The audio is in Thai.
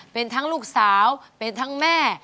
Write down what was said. เป็นทั้งลูกสาวเป็นทั้งแม่